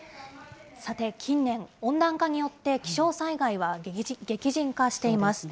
さて近年、温暖化によって気象災害は激甚化しています。